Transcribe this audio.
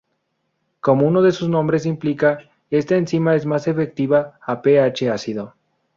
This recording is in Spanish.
Como uno de sus nombres implica, esta enzima es más efectiva a pH ácido.